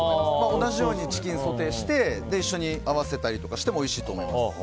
同じようにチキンをソテーして一緒に合わせたりとかしてもおいしいと思います。